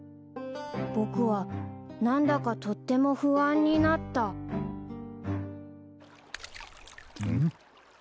［僕は何だかとっても不安になった］ん？